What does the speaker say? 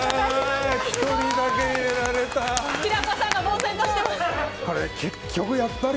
１人だけ入れられた。